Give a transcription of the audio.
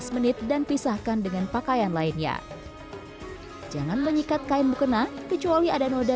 menit dan pisahkan dengan pakaian lainnya jangan menyikat kain mukena kecuali ada noda